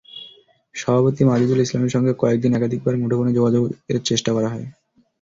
সভাপতি মাজিদুল ইসলামের সঙ্গে কয়েক দিন একাধিকবার মুঠোফোনে যোগাযোগের চেষ্টা করা হয়।